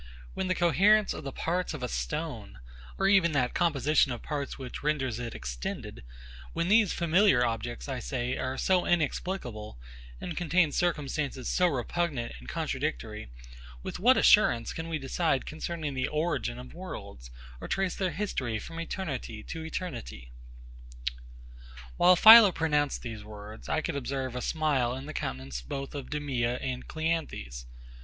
When the coherence of the parts of a stone, or even that composition of parts which renders it extended; when these familiar objects, I say, are so inexplicable, and contain circumstances so repugnant and contradictory; with what assurance can we decide concerning the origin of worlds, or trace their history from eternity to eternity? While PHILO pronounced these words, I could observe a smile in the countenance both of DEMEA and CLEANTHES.